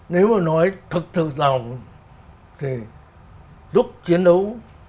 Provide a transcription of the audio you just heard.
nếu mà nói thực sự lòng thì giúp chiến đấu